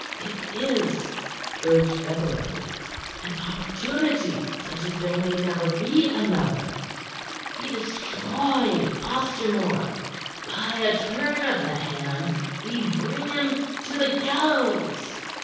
"It is," urged Everard, "an opportunity such as there may never be another. We destroy Ostermore. By a turn of the hand we bring him to the gallows."